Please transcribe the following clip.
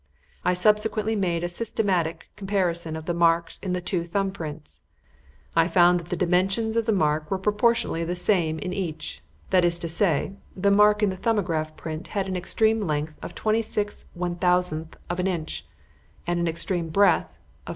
I subsequently made a systematic comparison of the marks in the two thumb prints; I found that the dimensions of the mark were proportionally the same in each that is to say, the mark in the 'Thumbograph' print had an extreme length of 26/1000 of an inch and an extreme breadth of 14.